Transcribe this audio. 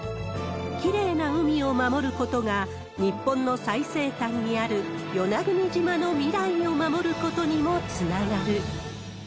きれいな海を守ることが日本の最西端にある与那国島の未来を守ることにもつながる。